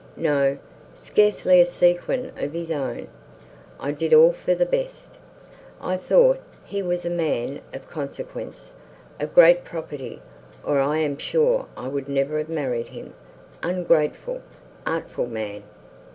—no, scarcely a sequin of his own! I did all for the best; I thought he was a man of consequence, of great property, or I am sure I would never have married him,—ungrateful, artful man!"